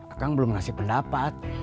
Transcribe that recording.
akang belum ngasih pendapat